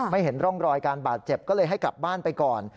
เห็นร่องรอยการบาดเจ็บก็เลยให้กลับบ้านไปก่อน